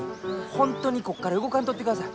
本当にここから動かんとってください。